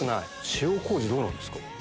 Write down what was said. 塩麹どうなんですか？